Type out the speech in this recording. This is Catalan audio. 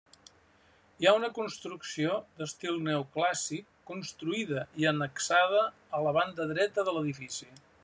Hi ha una construcció d'estil neoclàssic, construïda i annexada a la banda dreta de l'edifici.